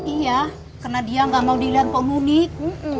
iya karena dia nggak mau dilihat pak nunik